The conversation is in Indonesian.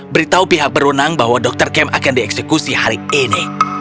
beritahu pihak berwenang bahwa dr kem akan dieksekusi hari ini